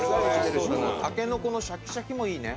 「たけのこのシャキシャキもいいね」